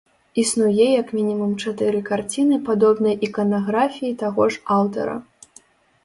Існуе як мінімум чатыры карціны падобнай іканаграфіі таго ж аўтара.